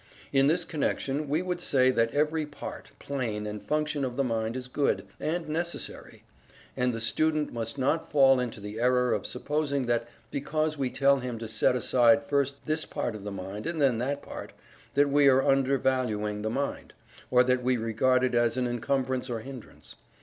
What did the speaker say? In this connection we would say that every part, plane, and function of the mind is good, and necessary, and the student must not fall into the error of supposing that because we tell him to set aside first this part of the mind and then that part, that we are undervaluing the mind, or that we regard it as an encumbrance or hindrance.